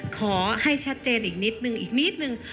ขอให้ชัดเจนอีกนิดหนึ่ง